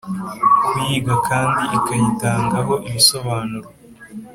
kuyiga kandi ikayitangaho ibisobanuro